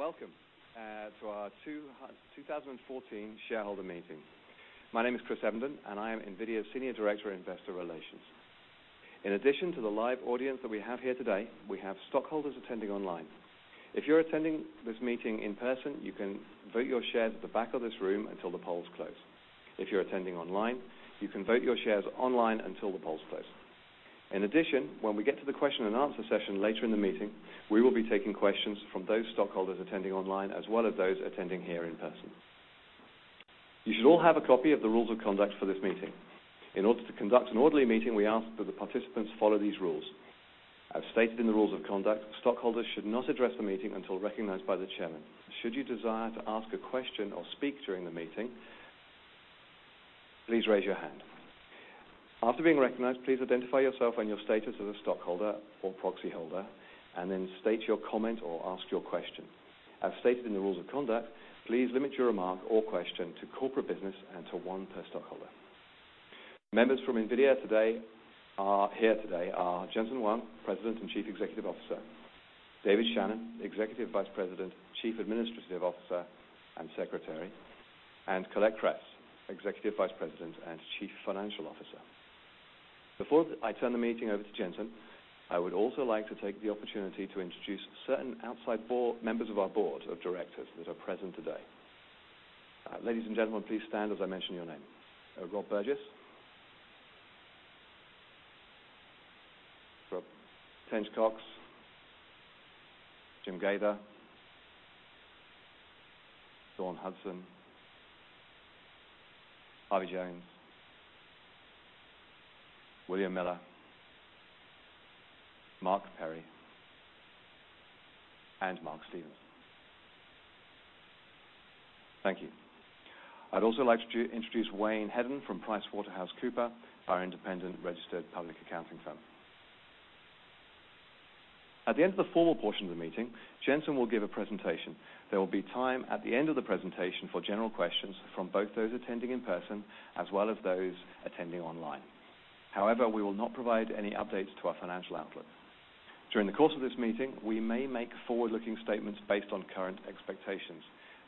Morning, everyone. Welcome to our 2014 Shareholder Meeting. My name is Chris Evenden, and I am NVIDIA's Senior Director of Investor Relations. In addition to the live audience that we have here today, we have stockholders attending online. If you're attending this meeting in person, you can vote your shares at the back of this room until the polls close. If you're attending online, you can vote your shares online until the polls close. In addition, when we get to the question-and-answer session later in the meeting, we will be taking questions from those stockholders attending online as well as those attending here in person. You should all have a copy of the rules of conduct for this meeting. In order to conduct an orderly meeting, we ask that the participants follow these rules. As stated in the rules of conduct, stockholders should not address the meeting until recognized by the chairman. Should you desire to ask a question or speak during the meeting, please raise your hand. After being recognized, please identify yourself and your status as a stockholder or proxy holder, and then state your comment or ask your question. As stated in the rules of conduct, please limit your remark or question to corporate business and to one per stockholder. Members from NVIDIA here today are Jensen Huang, President and Chief Executive Officer; David Shannon, Executive Vice President, Chief Administrative Officer, and Secretary; and Colette Kress, Executive Vice President and Chief Financial Officer. Before I turn the meeting over to Jensen, I would also like to take the opportunity to introduce certain outside members of our board of directors that are present today. Ladies and gentlemen, please stand as I mention your name. Rob Burgess, Tench Coxe, Jim Gaither, Dawn Hudson, Harvey Jones, William Miller, Mark Perry, and Mark Stevens. Thank you. I'd also like to introduce Wayne Hedden from PricewaterhouseCoopers, our independent registered public accounting firm. At the end of the formal portion of the meeting, Jensen Huang will give a presentation. There will be time at the end of the presentation for general questions from both those attending in person as well as those attending online. However, we will not provide any updates to our financial outlook. During the course of this meeting, we may make forward-looking statements based on current expectations.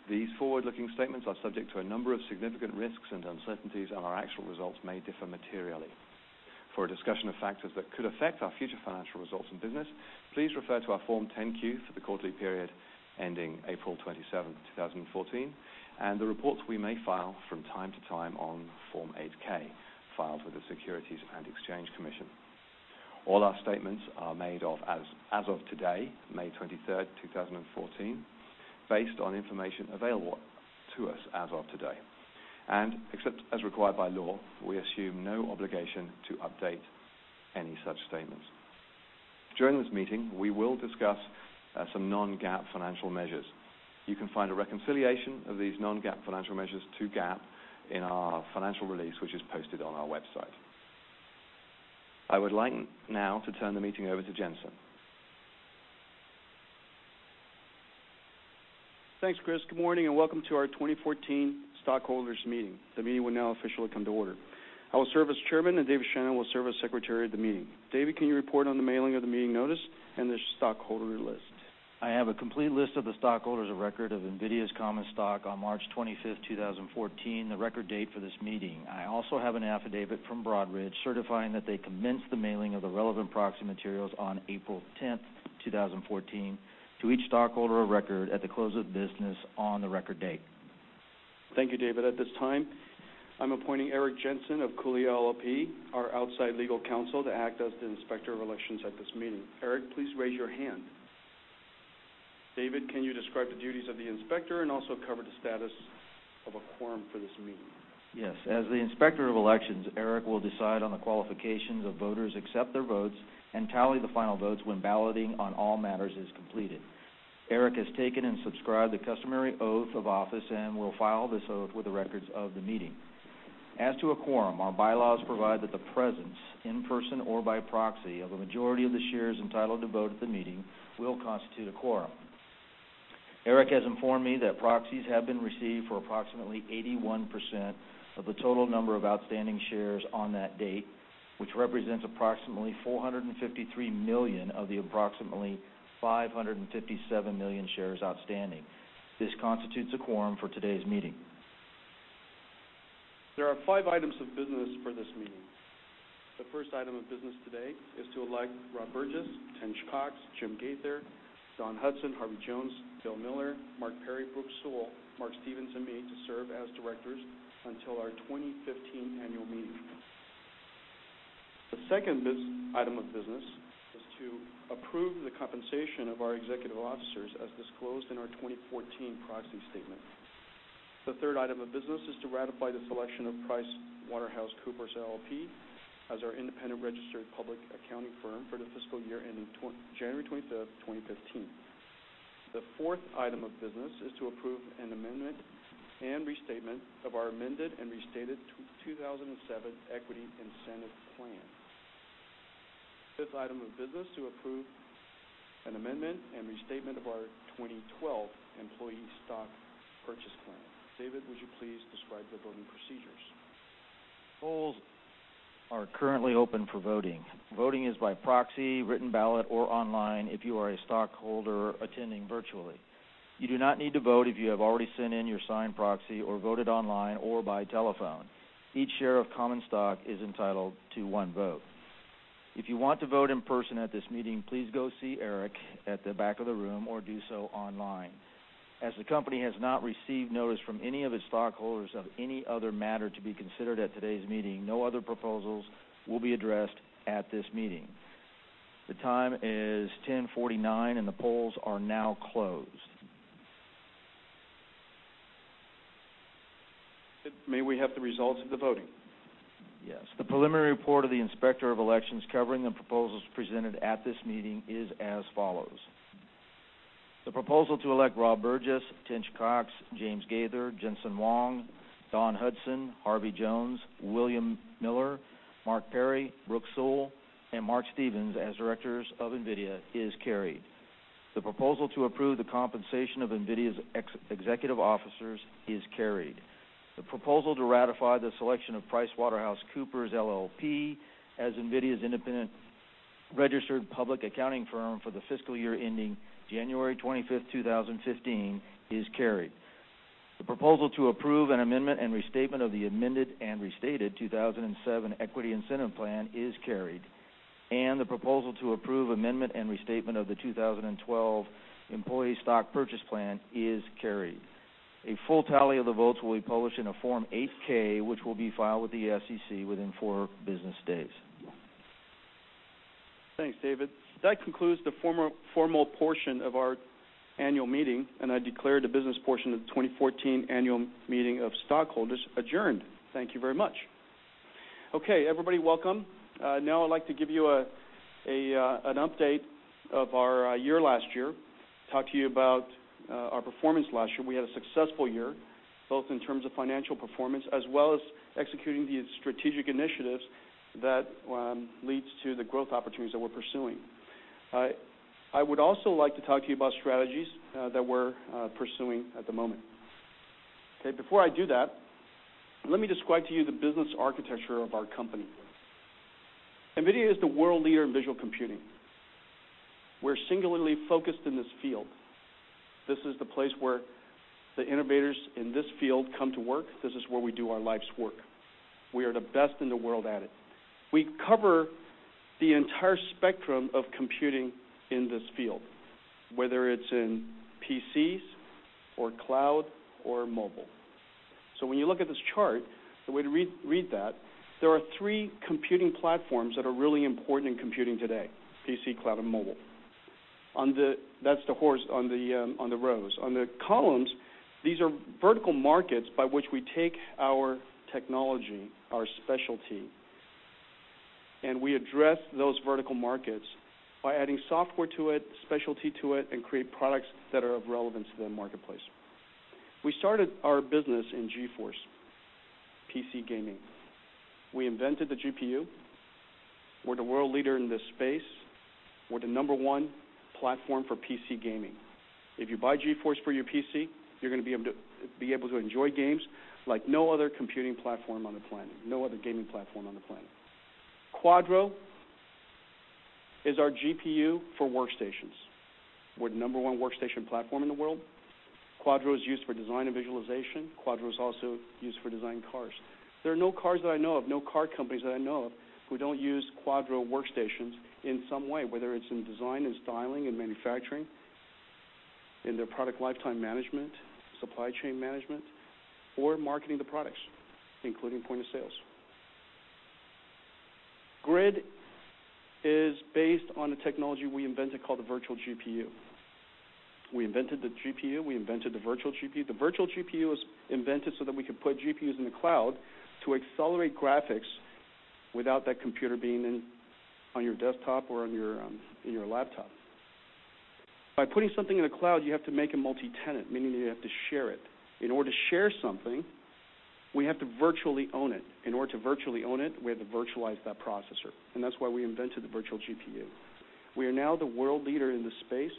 These forward-looking statements are subject to a number of significant risks and uncertainties, and our actual results may differ materially. For a discussion of factors that could affect our future financial results and business, please refer to our Form 10-Q for the quarterly period ending April 27th, 2014, and the reports we may file from time to time on Form 8-K, filed with the Securities and Exchange Commission. All our statements are made as of today, May 23rd, 2014, based on information available to us as of today. Except as required by law, we assume no obligation to update any such statements. During this meeting, we will discuss some non-GAAP financial measures. You can find a reconciliation of these non-GAAP financial measures to GAAP in our financial release, which is posted on our website. I would like now to turn the meeting over to Jensen. Thanks, Chris. Good morning, welcome to our 2014 Stockholders Meeting. The meeting will now officially come to order. I will serve as Chairman, David Shannon will serve as Secretary of the meeting. David, can you report on the mailing of the meeting notice and the stockholder list? I have a complete list of the stockholders of record of NVIDIA's common stock on March 25th, 2014, the record date for this meeting. I also have an affidavit from Broadridge certifying that they commenced the mailing of the relevant proxy materials on April 10th, 2014 to each stockholder of record at the close of business on the record date. Thank you, David. At this time, I'm appointing Eric Jensen of Cooley LLP, our outside legal counsel, to act as the Inspector of Elections at this meeting. Eric, please raise your hand. David, can you describe the duties of the inspector and also cover the status of a quorum for this meeting? Yes. As the Inspector of Elections, Eric will decide on the qualifications of voters, accept their votes, and tally the final votes when balloting on all matters is completed. Eric has taken and subscribed the customary oath of office and will file this oath with the records of the meeting. As to a quorum, our bylaws provide that the presence in person or by proxy of a majority of the shares entitled to vote at the meeting will constitute a quorum. Eric has informed me that proxies have been received for approximately 81% of the total number of outstanding shares on that date, which represents approximately 453 million of the approximately 557 million shares outstanding. This constitutes a quorum for today's meeting. There are five items of business for this meeting. The first item of business today is to elect Rob Burgess, Tench Coxe, Jim Gaither, Dawn Hudson, Harvey Jones, Bill Miller, Mark Perry, Brooke Seawell, Mark Stevens, and me to serve as directors until our 2015 annual meeting. The second item of business is to approve the compensation of our executive officers as disclosed in our 2014 proxy statement. The third item of business is to ratify the selection of PricewaterhouseCoopers LLP as our independent registered public accounting firm for the fiscal year ending January 25th, 2015. The fourth item of business is to approve an amendment and restatement of our amended and restated 2007 equity incentive plan. Fifth item of business to approve an amendment and restatement of our 2012 employee stock purchase plan. David, would you please describe the voting procedures? Polls are currently open for voting. Voting is by proxy, written ballot, or online if you are a stockholder attending virtually. You do not need to vote if you have already sent in your signed proxy or voted online or by telephone. Each share of common stock is entitled to one vote. If you want to vote in person at this meeting, please go see Eric at the back of the room or do so online. The company has not received notice from any of its stockholders of any other matter to be considered at today's meeting, no other proposals will be addressed at this meeting. The time is 10:49 A.M. and the polls are now closed. May we have the results of the voting? Yes. The preliminary report of the Inspector of Elections covering the proposals presented at this meeting is as follows. The proposal to elect Rob Burgess, Tench Coxe, James Gaither, Jensen Huang, Dawn Hudson, Harvey Jones, William Miller, Mark Perry, Brooke Seawell, and Mark Stevens as directors of NVIDIA is carried. The proposal to approve the compensation of NVIDIA's executive officers is carried. The proposal to ratify the selection of PricewaterhouseCoopers LLP as NVIDIA's independent registered public accounting firm for the fiscal year ending January 25th, 2015, is carried. The proposal to approve an amendment and restatement of the amended and restated 2007 Equity Incentive Plan is carried. The proposal to approve amendment and restatement of the 2012 Employee Stock Purchase Plan is carried. A full tally of the votes will be published in a Form 8-K, which will be filed with the SEC within four business days. Thanks, David. That concludes the formal portion of our annual meeting, and I declare the business portion of the 2014 annual meeting of stockholders adjourned. Thank you very much. Okay, everybody, welcome. Now I'd like to give you an update of our year last year, talk to you about our performance last year. We had a successful year, both in terms of financial performance as well as executing the strategic initiatives that leads to the growth opportunities that we're pursuing. I would also like to talk to you about strategies that we're pursuing at the moment. Okay, before I do that, let me describe to you the business architecture of our company. NVIDIA is the world leader in visual computing. We're singularly focused in this field. This is the place where the innovators in this field come to work. This is where we do our life's work. We are the best in the world at it. We cover the entire spectrum of computing in this field, whether it's in PCs or cloud or mobile. When you look at this chart, the way to read that, there are three computing platforms that are really important in computing today, PC, cloud, and mobile. That's the horse on the on the rows. On the columns, these are vertical markets by which we take our technology, our specialty, and we address those vertical markets by adding software to it, specialty to it, and create products that are of relevance to the marketplace. We started our business in GeForce PC gaming. We invented the GPU. We're the world leader in this space. We're the number one platform for PC gaming. If you buy GeForce for your PC, you're gonna be able to enjoy games like no other computing platform on the planet, no other gaming platform on the planet. Quadro is our GPU for workstations. We're the number one workstation platform in the world. Quadro is used for design and visualization. Quadro is also used for designing cars. There are no cars that I know of, no car companies that I know of, who don't use Quadro workstations in some way, whether it's in design, in styling, in manufacturing, in their product lifetime management, supply chain management, or marketing the products, including point of sales. GRID is based on a technology we invented called the virtual GPU. We invented the GPU. We invented the virtual GPU. The virtual GPU was invented so that we could put GPUs in the cloud to accelerate graphics without that computer being on your desktop or on your laptop. By putting something in the cloud, you have to make it multi-tenant, meaning that you have to share it. In order to share something, we have to virtually own it. In order to virtually own it, we have to virtualize that processor, and that's why we invented the virtual GPU. We are now the world leader in this space,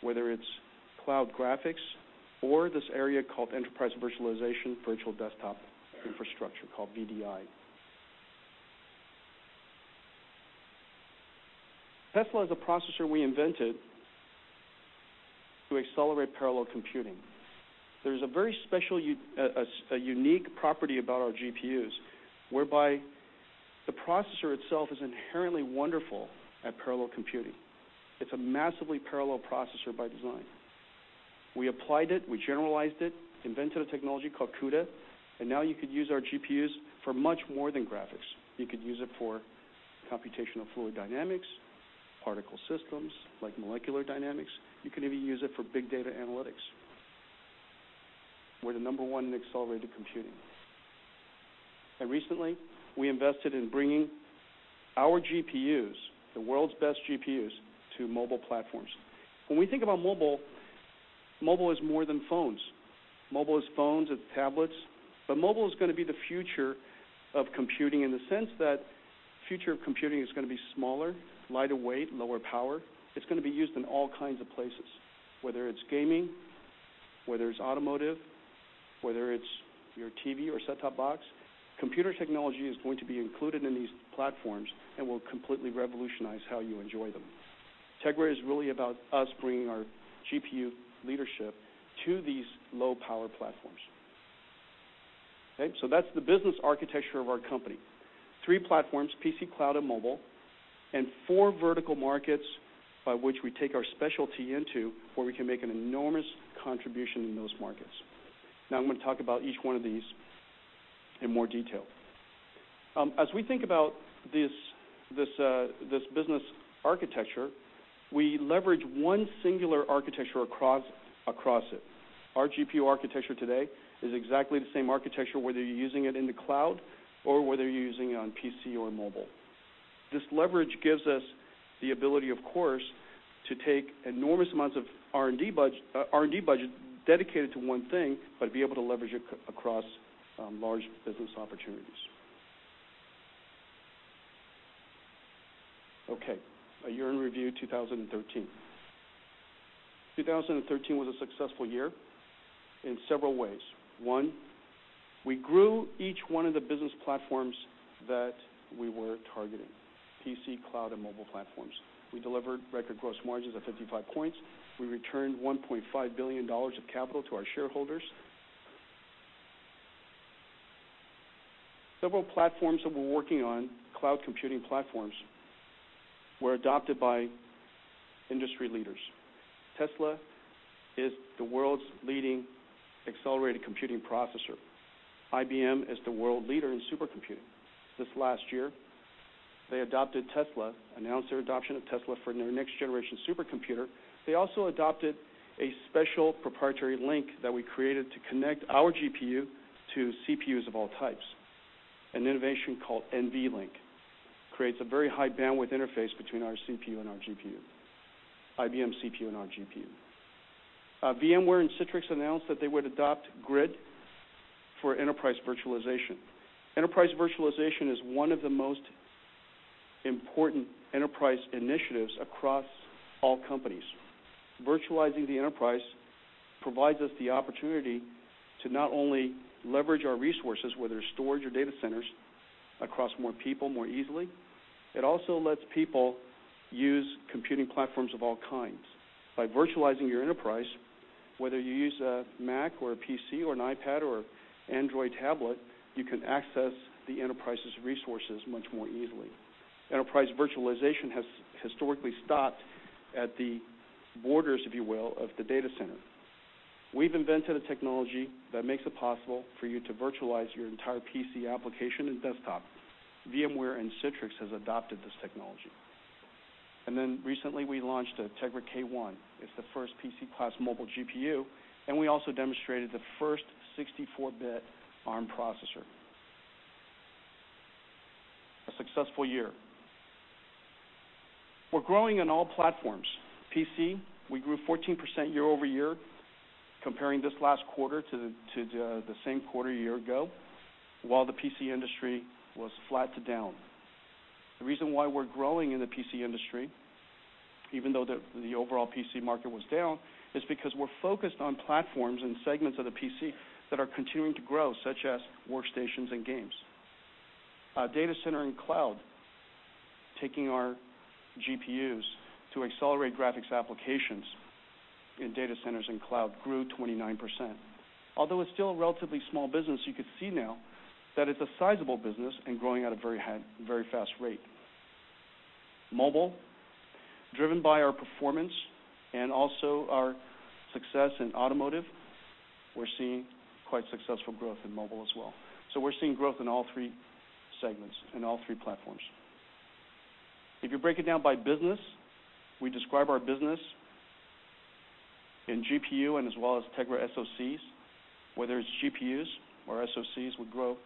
whether it's cloud graphics or this area called Enterprise Virtualization, Virtual Desktop Infrastructure, called VDI. Tesla is a processor we invented to accelerate parallel computing. There's a very special unique property about our GPUs, whereby the processor itself is inherently wonderful at parallel computing. It's a massively parallel processor by design. We applied it, we generalized it, invented a technology called CUDA. Now you could use our GPUs for much more than graphics. You could use it for computational fluid dynamics, particle systems like molecular dynamics. You could even use it for big data analytics. We're the number one in accelerated computing. Recently, we invested in bringing our GPUs, the world's best GPUs, to mobile platforms. When we think about mobile is more than phones. Mobile is phones and tablets, but mobile is gonna be the future of computing in the sense that future of computing is going to be smaller, lighter weight, lower power. It's gonna be used in all kinds of places, whether it's gaming, whether it's automotive, whether it's your TV or set-top box. Computer technology is going to be included in these platforms and will completely revolutionize how you enjoy them. Tegra is really about us bringing our GPU leadership to these low-power platforms. Okay. That's the business architecture of our company. Three platforms, PC, cloud, and mobile, and four vertical markets by which we take our specialty into, where we can make an enormous contribution in those markets. I'm gonna talk about each one of these in more detail. As we think about this business architecture, we leverage one singular architecture across it. Our GPU architecture today is exactly the same architecture, whether you're using it in the cloud or whether you're using it on PC or mobile. This leverage gives us the ability, of course, to take enormous amounts of R&D budget dedicated to one thing, but be able to leverage it across large business opportunities. Okay, a year in review, 2013. 2013 was a successful year in several ways. One, we grew each one of the business platforms that we were targeting, PC, cloud, and mobile platforms. We delivered record gross margins of 55 points. We returned $1.5 billion of capital to our shareholders. Several platforms that we're working on, cloud computing platforms, were adopted by industry leaders. Tesla is the world's leading accelerated computing processor. IBM is the world leader in supercomputing. This last year, they adopted Tesla, announced their adoption of Tesla for their next-generation supercomputer. They also adopted a special proprietary link that we created to connect our GPU to CPUs of all types, an innovation called NVLink. It creates a very high bandwidth interface between our CPU and our GPU, IBM CPU and our GPU. VMware and Citrix announced that they would adopt GRID for enterprise virtualization. Enterprise virtualization is one of the most important enterprise initiatives across all companies. Virtualizing the enterprise provides us the opportunity to not only leverage our resources, whether it's storage or data centers across more people more easily, it also lets people use computing platforms of all kinds. By virtualizing your enterprise, whether you use a Mac or a PC or an iPad or Android tablet, you can access the enterprise's resources much more easily. Enterprise virtualization has historically stopped at the borders, if you will, of the data center. We've invented a technology that makes it possible for you to virtualize your entire PC application and desktop. VMware and Citrix has adopted this technology. Recently, we launched a Tegra K1. It's the first PC-class mobile GPU, and we also demonstrated the first 64-bit ARM processor. A successful year. We're growing in all platforms. PC, we grew 14% year-over-year, comparing this last quarter to the same quarter a year ago, while the PC industry was flat to down. The reason why we're growing in the PC industry, even though the overall PC market was down, is because we're focused on platforms and segments of the PC that are continuing to grow, such as workstations and games. Data center and cloud, taking our GPUs to accelerate graphics applications in data centers and cloud grew 29%. Although it's still a relatively small business, you could see now that it's a sizable business and growing at a very high, very fast rate. Mobile, driven by our performance and also our success in automotive, we're seeing quite successful growth in mobile as well. We're seeing growth in all three segments, in all three platforms. If you break it down by business, we describe our business in GPU and as well as Tegra SoCs, whether it's GPUs or SoCs, we grow,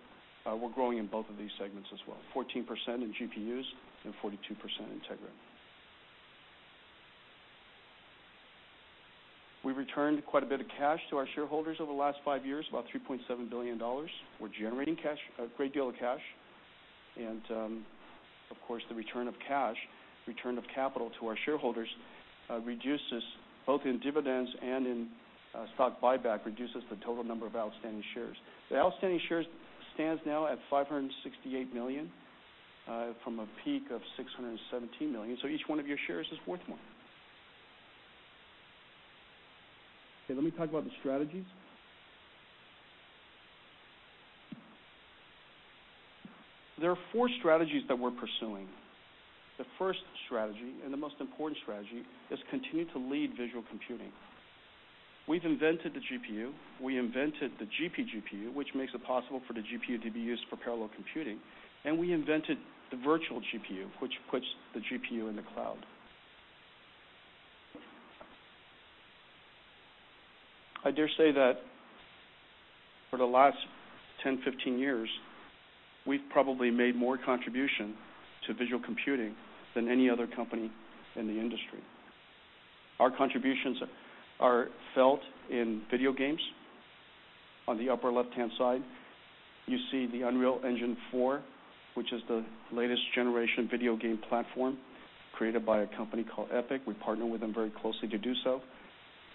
we're growing in both of these segments as well, 14% in GPUs and 42% in Tegra. We returned quite a bit of cash to our shareholders over the last five years, about $3.7 billion. We're generating cash, a great deal of cash. Of course, the return of cash, return of capital to our shareholders, reduces both in dividends and in stock buyback, reduces the total number of outstanding shares. The outstanding shares stands now at 568 million from a peak of 617 million. Each one of your shares is worth more. Okay, let me talk about the strategies. There are four strategies that we're pursuing. The first strategy, and the most important strategy, is continue to lead visual computing. We've invented the GPU. We invented the GPGPU, which makes it possible for the GPU to be used for parallel computing. We invented the virtual GPU, which puts the GPU in the cloud. I dare say that for the last 10, 15 years, we've probably made more contribution to visual computing than any other company in the industry. Our contributions are felt in video games. On the upper left-hand side, you see the Unreal Engine 4, which is the latest generation video game platform created by a company called Epic Games. We partner with them very closely to do so.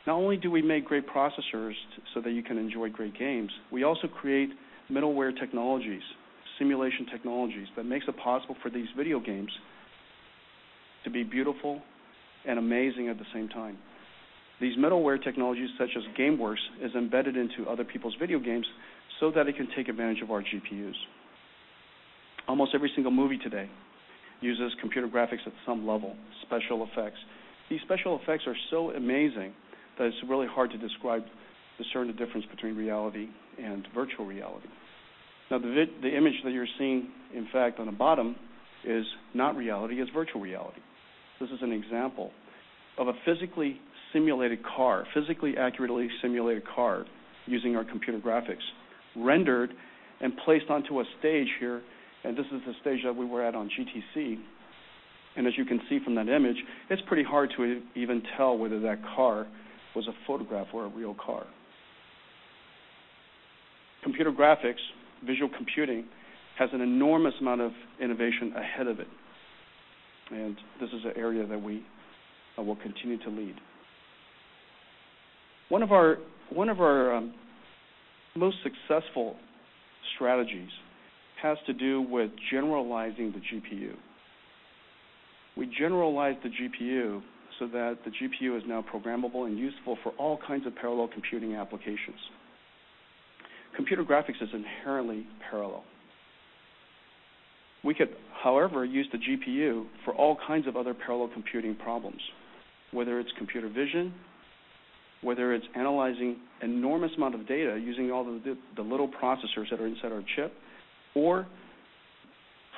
Not only do we make great processors so that you can enjoy great games, we also create middleware technologies, simulation technologies that make it possible for these video games to be beautiful and amazing at the same time. These middleware technologies, such as GameWorks, are embedded into other people's video games so that it can take advantage of our GPUs. Almost every single movie today uses computer graphics at some level, special effects. These special effects are so amazing that it's really hard to discern the difference between reality and virtual reality. Now, the image that you're seeing, in fact, on the bottom is not reality. It's virtual reality. This is an example of a physically accurately simulated car using our computer graphics, rendered and placed onto a stage here. This is the stage that we were at on GTC. As you can see from that image, it's pretty hard to even tell whether that car was a photograph or a real car. Computer graphics, visual computing has an enormous amount of innovation ahead of it, and this is an area that we will continue to lead. One of our most successful strategies has to do with generalizing the GPU. We generalized the GPU so that the GPU is now programmable and useful for all kinds of parallel computing applications. Computer graphics is inherently parallel. We could, however, use the GPU for all kinds of other parallel computing problems, whether it's computer vision, whether it's analyzing enormous amount of data using all the little processors that are inside our chip or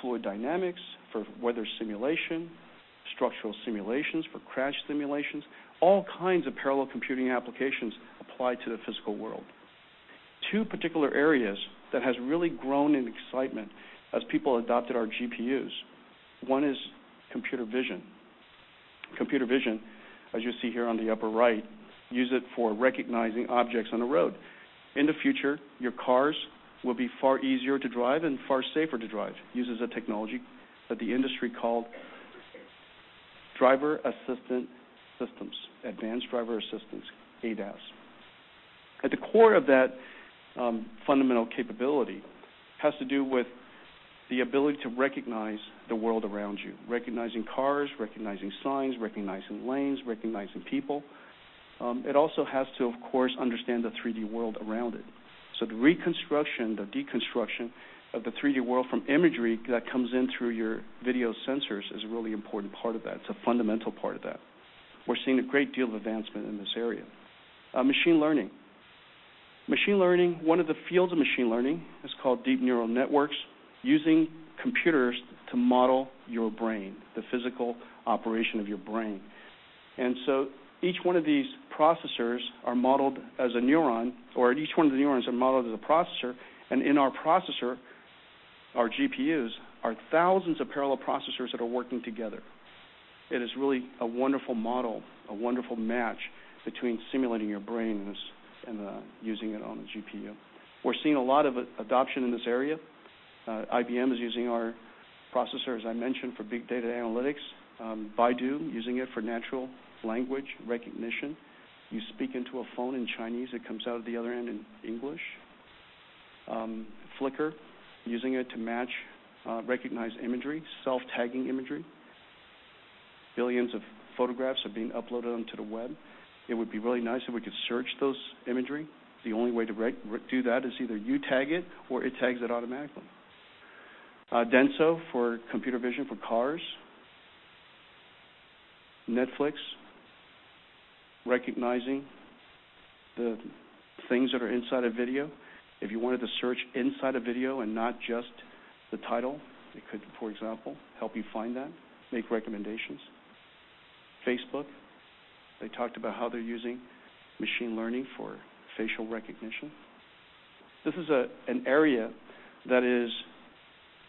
fluid dynamics for weather simulation, structural simulations for crash simulations, all kinds of parallel computing applications apply to the physical world. Two particular areas that has really grown in excitement as people adopted our GPUs, one is Computer Vision. Computer Vision, as you see here on the upper right, use it for recognizing objects on the road. In the future, your cars will be far easier to drive and far safer to drive. Uses a technology that the industry called Driver-Assistant Systems, Advanced Driver Assistance, ADAS. At the core of that, fundamental capability has to do with the ability to recognize the world around you, recognizing cars, recognizing signs, recognizing lanes, recognizing people. It also has to, of course, understand the 3D world around it. The reconstruction, the deconstruction of the 3D world from imagery that comes in through your video sensors is a really important part of that. It's a fundamental part of that. We're seeing a great deal of advancement in this area. Machine learning. Machine learning, one of the fields of machine learning is called Deep Neural Networks, using computers to model your brain, the physical operation of your brain. Each one of these processors are modeled as a neuron, or each one of the neurons are modeled as a processor, and in our processor, our GPUs are thousands of parallel processors that are working together. It is really a wonderful model, a wonderful match between simulating your brains and using it on the GPU. We're seeing a lot of adoption in this area. IBM is using our processor, as I mentioned, for big data analytics. Baidu using it for natural language recognition. You speak into a phone in Chinese, it comes out of the other end in English. Flickr using it to match recognize imagery, self-tagging imagery. Billions of photographs are being uploaded onto the web. It would be really nice if we could search those imagery. The only way to do that is either you tag it or it tags it automatically. Denso for computer vision for cars. Netflix recognizing the things that are inside a video. If you wanted to search inside a video and not just the title, it could, for example, help you find that, make recommendations. Facebook, they talked about how they're using machine learning for facial recognition. This is an area that is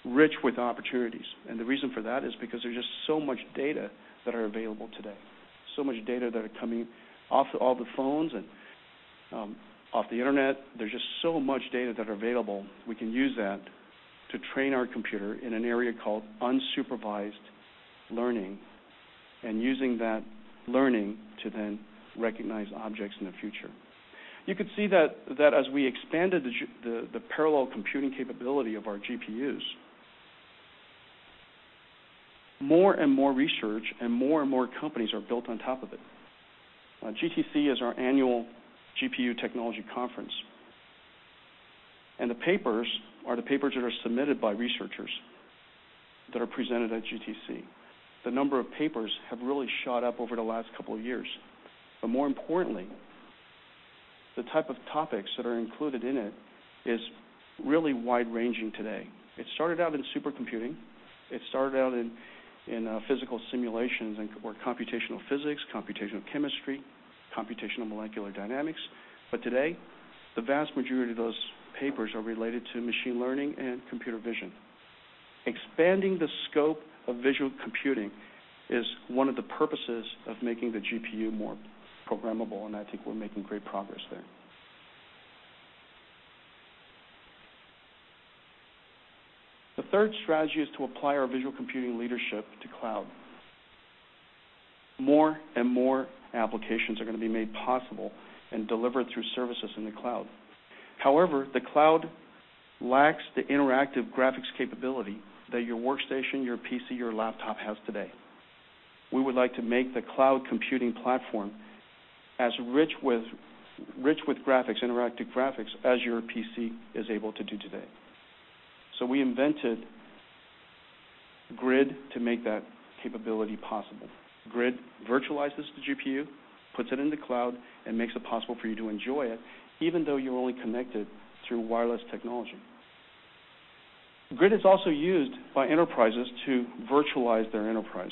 rich with opportunities, and the reason for that is because there's just so much data that are available today, so much data that are coming off all the phones and off the internet. There's just so much data that are available. We can use that to train our computer in an area called unsupervised learning and using that learning to then recognize objects in the future. You could see that as we expanded the parallel computing capability of our GPUs, more and more research and more and more companies are built on top of it. GTC is our annual GPU Technology Conference. The papers are the papers that are submitted by researchers that are presented at GTC. The number of papers have really shot up over the last couple of years. More importantly, the type of topics that are included in it is really wide-ranging today. It started out in supercomputing. It started out in physical simulations or computational physics, computational chemistry, computational molecular dynamics. Today, the vast majority of those papers are related to machine learning and computer vision. Expanding the scope of visual computing is one of the purposes of making the GPU more programmable, and I think we're making great progress there. The third strategy is to apply our visual computing leadership to cloud. More and more applications are gonna be made possible and delivered through services in the cloud. However, the cloud lacks the interactive graphics capability that your workstation, your PC, your laptop has today. We would like to make the cloud computing platform as rich with graphics, interactive graphics, as your PC is able to do today. We invented GRID to make that capability possible. GRID virtualizes the GPU, puts it in the cloud, and makes it possible for you to enjoy it, even though you're only connected through wireless technology. GRID is also used by enterprises to virtualize their enterprise.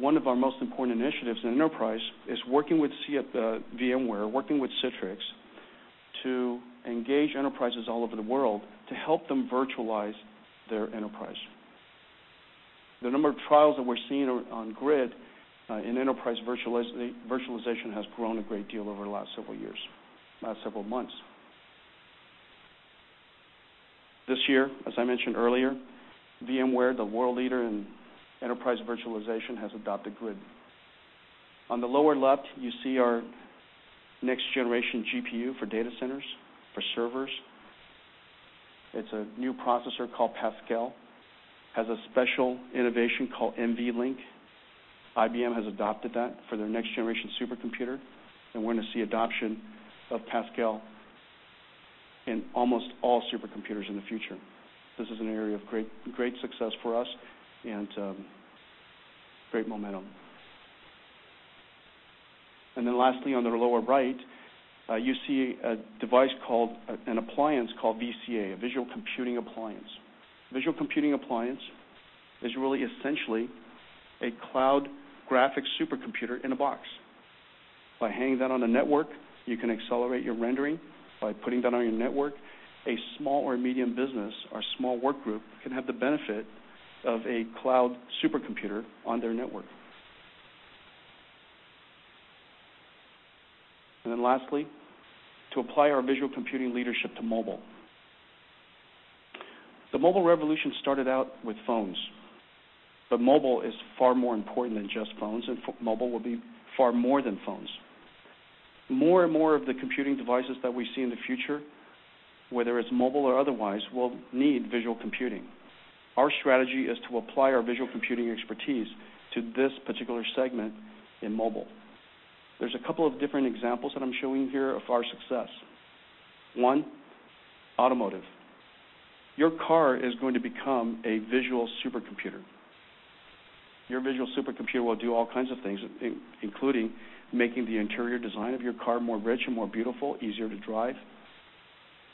One of our most important initiatives in enterprise is working with VMware, working with Citrix to engage enterprises all over the world to help them virtualize their enterprise. The number of trials that we're seeing on GRID, in enterprise virtualization has grown a great deal over the last several months. This year, as I mentioned earlier, VMware, the world leader in enterprise virtualization, has adopted GRID. On the lower left, you see our next-generation GPU for data centers, for servers. It's a new processor called Pascal. Has a special innovation called NVLink. IBM has adopted that for their next-generation supercomputer, and we're gonna see adoption of Pascal in almost all supercomputers in the future. This is an area of great success for us and great momentum. Then lastly, on the lower right, you see a device called an appliance called VCA, a Visual Computing Appliance. Visual Computing Appliance is really essentially a cloud graphic supercomputer in a box. By hanging that on a network, you can accelerate your rendering. By putting that on your network, a small or medium business or small work group can have the benefit of a cloud supercomputer on their network. Then lastly, to apply our visual computing leadership to mobile. The mobile revolution started out with phones, but mobile is far more important than just phones, and mobile will be far more than phones. More and more of the computing devices that we see in the future, whether it's mobile or otherwise, will need visual computing. Our strategy is to apply our visual computing expertise to this particular segment in mobile. There's a couple of different examples that I'm showing here of our success. One, automotive. Your car is going to become a visual supercomputer. Your visual supercomputer will do all kinds of things, including making the interior design of your car more rich and more beautiful, easier to drive.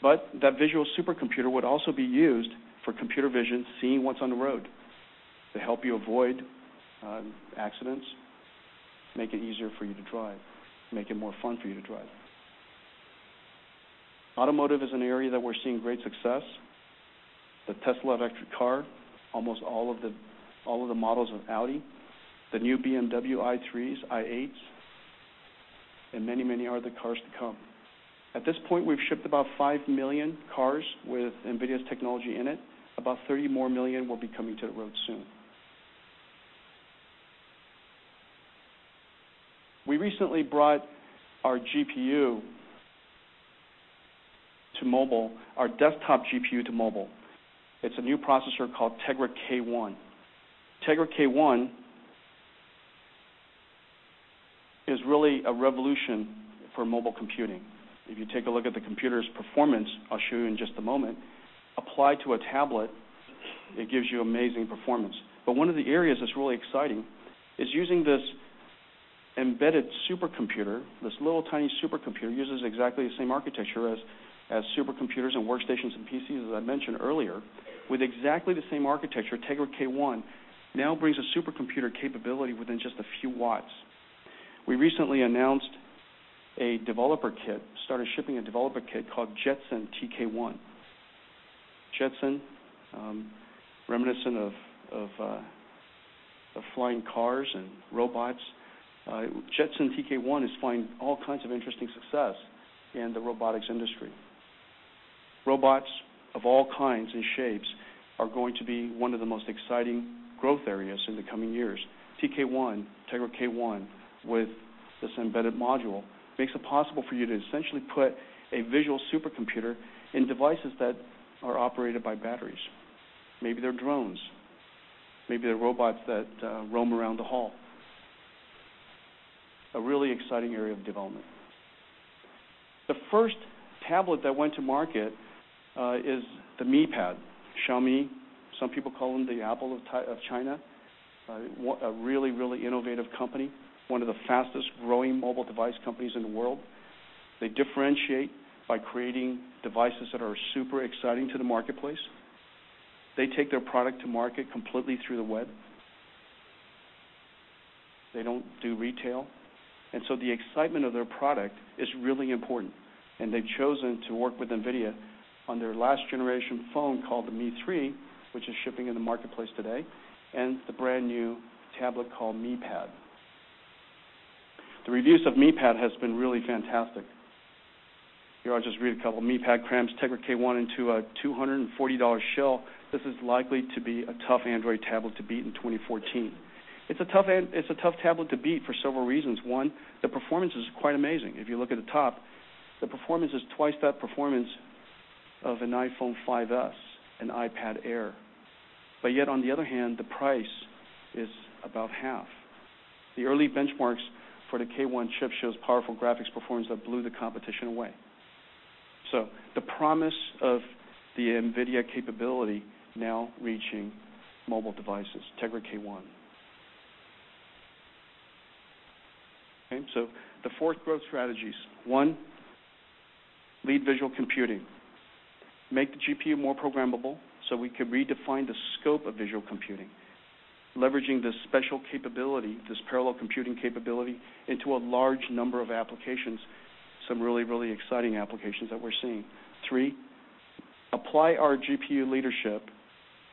That visual supercomputer would also be used for computer vision, seeing what's on the road to help you avoid accidents, make it easier for you to drive, make it more fun for you to drive. Automotive is an area that we're seeing great success. The Tesla electric car, almost all of the models of Audi, the new BMW i3s, i8s, and many, many other cars to come. At this point, we've shipped about 5 million cars with NVIDIA's technology in it. About 30 more million will be coming to the road soon. We recently brought our GPU to mobile, our desktop GPU to mobile. It's a new processor called Tegra K1. Tegra K1 is really a revolution for mobile computing. If you take a look at the computer's performance, I'll show you in just a moment, applied to a tablet, it gives you amazing performance. One of the areas that's really exciting is using this embedded supercomputer. This little, tiny supercomputer uses exactly the same architecture as supercomputers and workstations and PCs, as I mentioned earlier. With exactly the same architecture, Tegra K1 now brings a supercomputer capability within just a few watts. We recently announced a developer kit, started shipping a developer kit called Jetson TK1. Jetson, reminiscent of flying cars and robots. Jetson TK1 is finding all kinds of interesting success in the robotics industry. Robots of all kinds and shapes are going to be one of the most exciting growth areas in the coming years. TK1, Tegra K1, with this embedded module, makes it possible for you to essentially put a visual supercomputer in devices that are operated by batteries. Maybe they're drones. Maybe they're robots that roam around the home. A really exciting area of development. The first tablet that went to market is the Mi Pad. Xiaomi, some people call them the Apple of China. A really innovative company. One of the fastest-growing mobile device companies in the world. They differentiate by creating devices that are super exciting to the marketplace. They take their product to market completely through the web. They don't do retail. The excitement of their product is really important, and they've chosen to work with NVIDIA on their last generation phone called the Mi 3, which is shipping in the marketplace today, and the brand-new tablet called Mi Pad. The reviews of Mi Pad has been really fantastic. Here, I'll just read a couple. "Mi Pad crams Tegra K1 into a $240 shell. This is likely to be a tough Android tablet to beat in 2014." It's a tough tablet to beat for several reasons. One, the performance is quite amazing. If you look at the top, the performance is twice that performance of an iPhone 5s and iPad Air. Yet, on the other hand, the price is about half. The early benchmarks for the K1 chip shows powerful graphics performance that blew the competition away. The promise of the NVIDIA capability now reaching mobile devices, Tegra K1. Okay. The fourth growth strategies, one, lead visual computing. Make the GPU more programmable, so we could redefine the scope of visual computing, leveraging this special capability, this parallel computing capability, into a large number of applications, some really, really exciting applications that we're seeing. Three, apply our GPU leadership,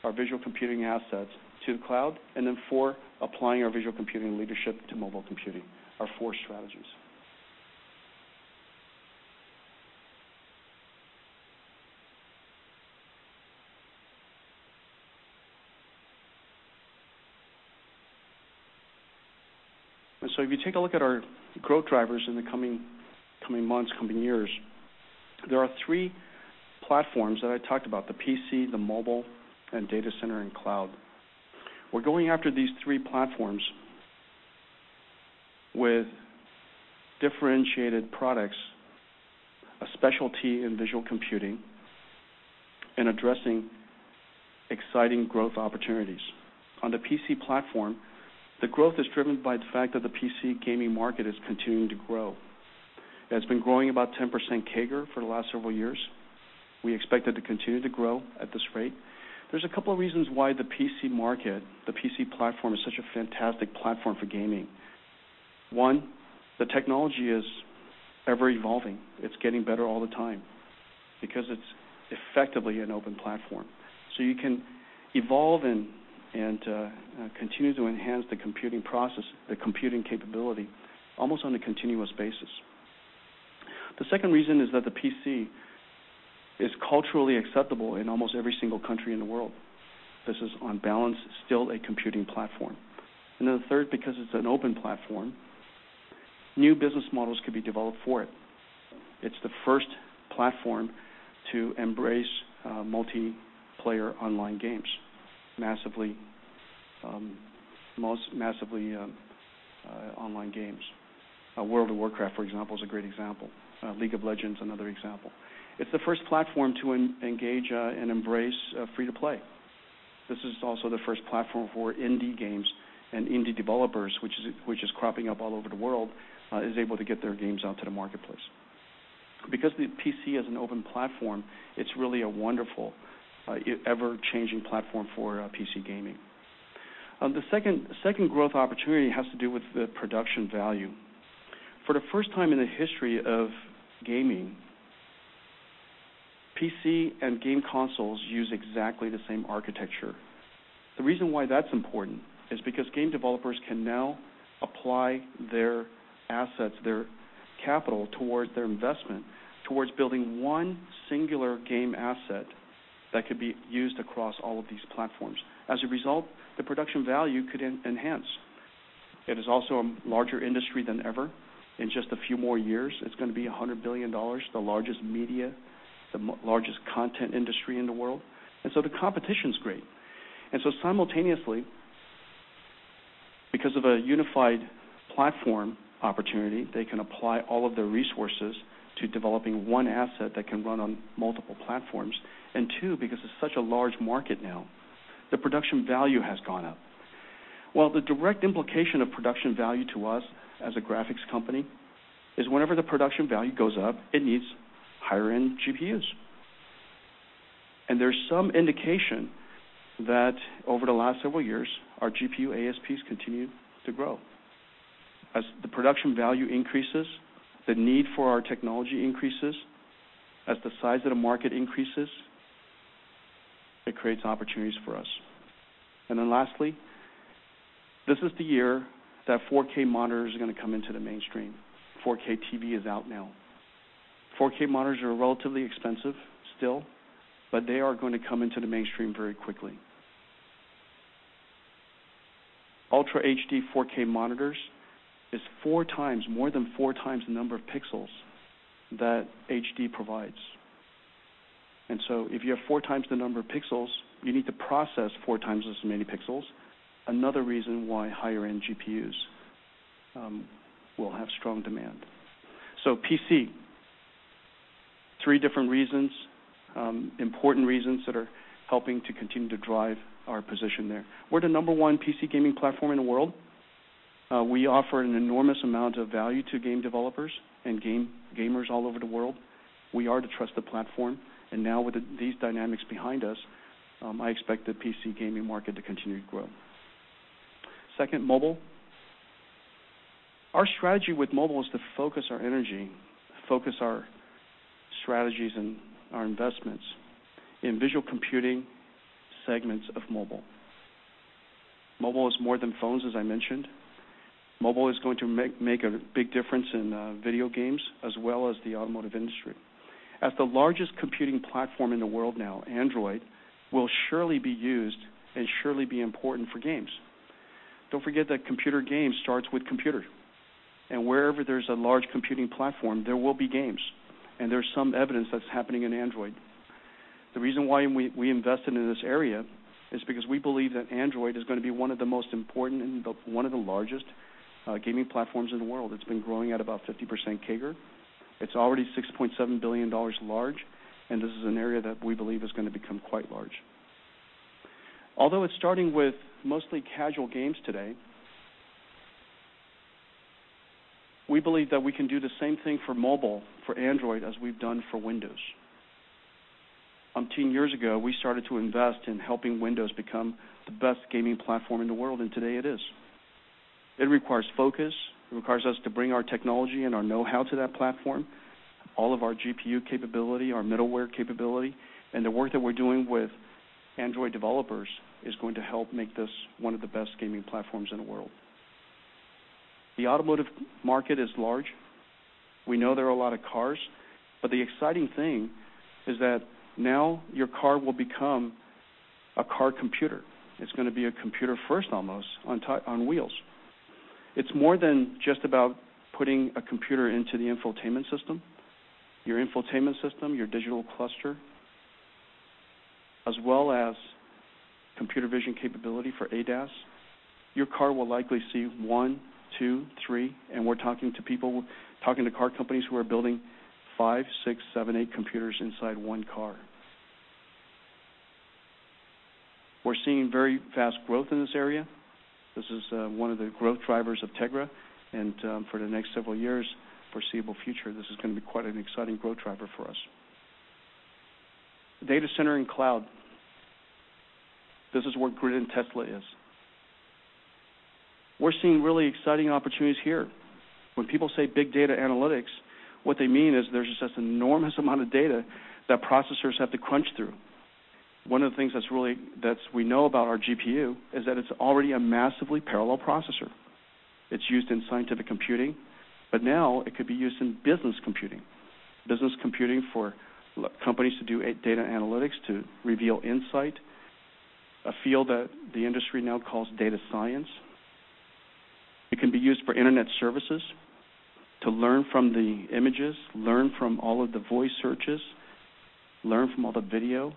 our visual computing assets to the cloud. Four, applying our visual computing leadership to mobile computing. Our four strategies. If you take a look at our growth drivers in the coming months, coming years, there are three platforms that I talked about, the PC, the mobile, and data center and cloud. We're going after these three platforms with differentiated products, a specialty in visual computing, and addressing exciting growth opportunities. On the PC platform, the growth is driven by the fact that the PC gaming market is continuing to grow. It has been growing about 10% CAGR for the last several years. We expect it to continue to grow at this rate. There's a couple of reasons why the PC market, the PC platform, is such a fantastic platform for gaming. One, the technology is ever-evolving. It's getting better all the time because it's effectively an open platform. You can evolve and continue to enhance the computing process, the computing capability almost on a continuous basis. The second reason is that the PC is culturally acceptable in almost every single country in the world. This is, on balance, still a computing platform. The third, because it's an open platform, new business models could be developed for it. It's the first platform to embrace multiplayer online games, massively online games. World of Warcraft, for example, is a great example. League of Legends, another example. It's the first platform to engage and embrace free to play. This is also the first platform for indie games and indie developers, which is cropping up all over the world, is able to get their games out to the marketplace. Because the PC is an open platform, it's really a wonderful, ever-changing platform for PC gaming. The second growth opportunity has to do with the production value. For the first time in the history of gaming, PC and game consoles use exactly the same architecture. The reason why that's important is because game developers can now apply their assets, their capital towards their investment, towards building one singular game asset that could be used across all of these platforms. As a result, the production value could enhance. It is also a larger industry than ever. In just a few more years, it's gonna be $100 billion, the largest media, the largest content industry in the world. The competition's great. Simultaneously, because of a unified platform opportunity, they can apply all of their resources to developing one asset that can run on multiple platforms. Two, because it's such a large market now, the production value has gone up. Well, the direct implication of production value to us as a graphics company is whenever the production value goes up, it needs higher-end GPUs. There's some indication that over the last several years, our GPU ASPs continued to grow. As the production value increases, the need for our technology increases. As the size of the market increases, it creates opportunities for us. Lastly, this is the year that 4K monitors are going to come into the mainstream. 4K TV is out now. 4K monitors are relatively expensive still, but they are going to come into the mainstream very quickly. Ultra HD 4K monitors is 4x, more than 4x the number of pixels that HD provides. If you have 4x the number of pixels, you need to process 4x as many pixels, another reason why higher-end GPUs will have strong demand. PC, three different reasons, important reasons that are helping to continue to drive our position there. We're the number one PC gaming platform in the world. We offer an enormous amount of value to game developers and gamers all over the world. We are the trusted platform. Now with these dynamics behind us, I expect the PC gaming market to continue to grow. Second, mobile. Our strategy with mobile is to focus our energy, focus our strategies and our investments in visual computing segments of mobile. Mobile is more than phones, as I mentioned. Mobile is going to make a big difference in video games as well as the automotive industry. As the largest computing platform in the world now, Android will surely be used and surely be important for games. Don't forget that computer games starts with computer. Wherever there's a large computing platform, there will be games, and there's some evidence that's happening in Android. The reason why we invested in this area is because we believe that Android is gonna be one of the most important and one of the largest gaming platforms in the world. It's been growing at about 50% CAGR. It's already $6.7 billion large, and this is an area that we believe is gonna become quite large. Although it's starting with mostly casual games today, we believe that we can do the same thing for mobile, for Android, as we've done for Windows. 10 years ago, we started to invest in helping Windows become the best gaming platform in the world, and today it is. It requires focus. It requires us to bring our technology and our know-how to that platform, all of our GPU capability, our middleware capability, and the work that we're doing with Android developers is going to help make this one of the best gaming platforms in the world. The automotive market is large. We know there are a lot of cars, but the exciting thing is that now your car will become a car computer. It's gonna be a computer first, almost, on wheels. It's more than just about putting a computer into the infotainment system. Your infotainment system, your digital cluster, as well as computer vision capability for ADAS. Your car will likely see one, two, three, and we're talking to people, talking to car companies who are building five, six, seven, eight computers inside one car. We're seeing very fast growth in this area. This is one of the growth drivers of Tegra, and for the next several years, foreseeable future, this is going to be quite an exciting growth driver for us. Data center and cloud. This is where NVIDIA GRID and NVIDIA Tesla is. We're seeing really exciting opportunities here. When people say big data analytics, what they mean is there's just this enormous amount of data that processors have to crunch through. One of the things we know about our GPU is that it's already a massively parallel processor. It's used in scientific computing, but now it could be used in business computing. Business computing for companies to do data analytics to reveal insight, a field that the industry now calls data science. It can be used for internet services to learn from the images, learn from all of the voice searches, learn from all the video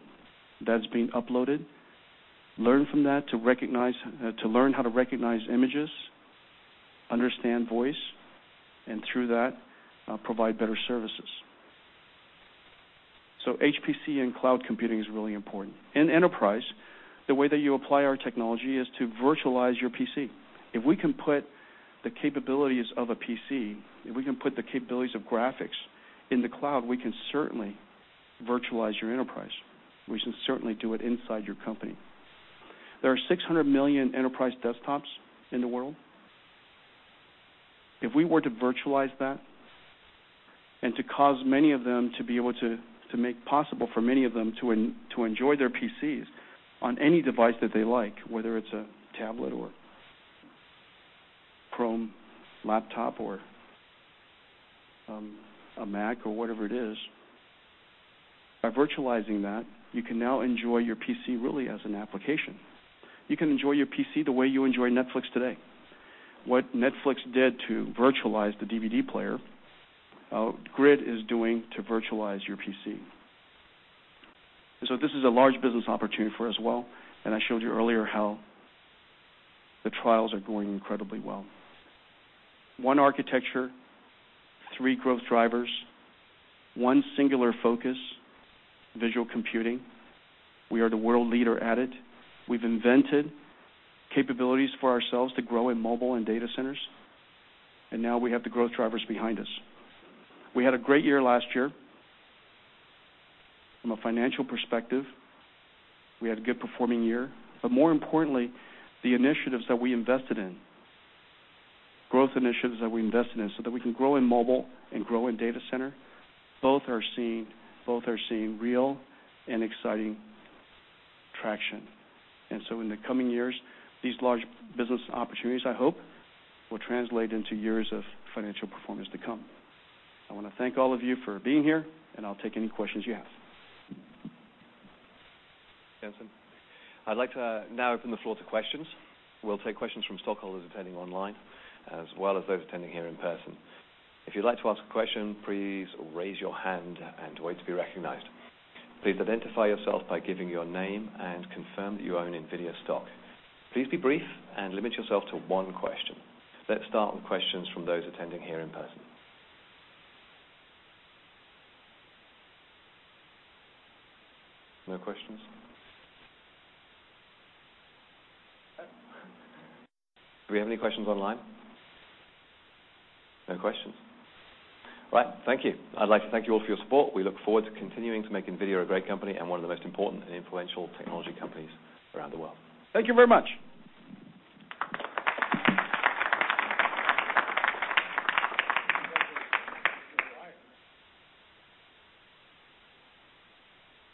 that's being uploaded, learn from that to recognize, to learn how to recognize images, understand voice, and through that, provide better services. HPC and cloud computing is really important. In enterprise, the way that you apply our technology is to virtualize your PC. If we can put the capabilities of a PC, if we can put the capabilities of graphics in the cloud, we can certainly virtualize your enterprise. We can certainly do it inside your company. There are 600 million enterprise desktops in the world. If we were to virtualize that and to cause many of them to be able to make possible for many of them to enjoy their PCs on any device that they like, whether it's a tablet or Chrome laptop or a Mac or whatever it is, by virtualizing that, you can now enjoy your PC really as an application. You can enjoy your PC the way you enjoy Netflix today. What Netflix did to virtualize the DVD player, GRID is doing to virtualize your PC. This is a large business opportunity for us well, and I showed you earlier how the trials are going incredibly well. One architecture, three growth drivers, one singular focus, visual computing. We are the world leader at it. We've invented capabilities for ourselves to grow in mobile and data centers, now we have the growth drivers behind us. We had a great year last year. From a financial perspective, we had a good performing year. More importantly, the initiatives that we invested in, growth initiatives that we invested in so that we can grow in mobile and grow in data center, both are seeing real and exciting traction. In the coming years, these large business opportunities, I hope, will translate into years of financial performance to come. I wanna thank all of you for being here, I'll take any questions you have. I'd like to now open the floor to questions. We'll take questions from stockholders attending online as well as those attending here in person. If you'd like to ask a question, please raise your hand and wait to be recognized. Please identify yourself by giving your name and confirm that you own NVIDIA stock. Please be brief and limit yourself to one question. Let's start with questions from those attending here in person. No questions? Do we have any questions online? No questions. Right. Thank you. I'd like to thank you all for your support. We look forward to continuing to make NVIDIA a great company and one of the most important and influential technology companies around the world. Thank you very much.